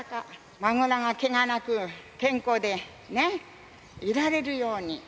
孫らがけがなく、健康でいられるように。